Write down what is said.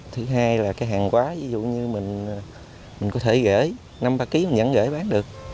thứ hai là cái hàng quá ví dụ như mình có thể gửi năm ba kg vẫn gửi bán được